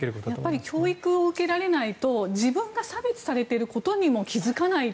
やっぱり教育を受けられないと自分が差別されていることにも気づかない。